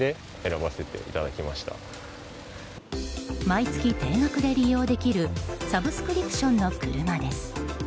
毎月定額で利用できるサブスクリプションの車です。